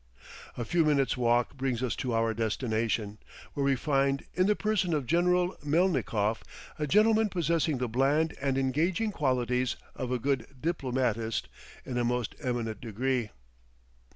A few minutes' walk brings us to our destination, where we find, in the person of General Melnikoff, a gentleman possessing the bland and engaging qualities of a good diplomatist in a most eminent degree.